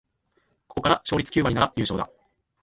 ここから勝率九割なら優勝だ